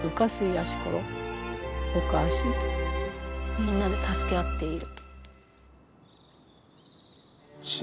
「みんなで助け合っている」。